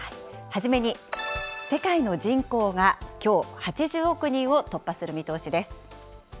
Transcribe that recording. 初めに、世界の人口がきょう、８０億人を突破する見通しです。